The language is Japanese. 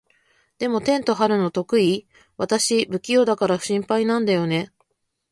でも、テント張るの得意？私、不器用だから心配なんだよね。